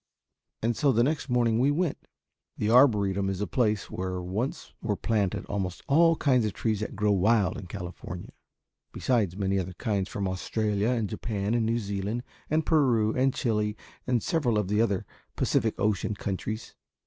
And so the next morning we went. The Arboretum is a place where once were planted almost all the kinds of trees that grow wild in California, besides many other kinds from Australia and Japan and New Zealand and Peru and Chili and several of the other Pacific Ocean countries.